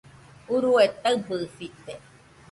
Urue taɨbɨsite